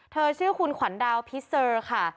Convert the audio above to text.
เธอชื่อคุณขวันดาวพริษเซอร์ค่ะ